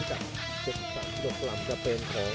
กันต่อแพทย์จินดอร์